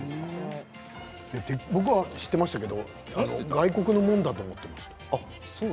僕は知っていましたけれど外国のものだと思っていました。